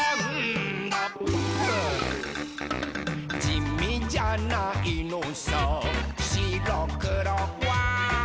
「じみじゃないのさしろくろは」